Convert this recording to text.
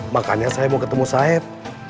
makanya saya mau ketemu said